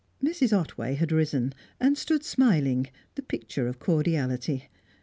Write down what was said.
Mrs. Otway had risen, and stood smiling, the picture of cordiality.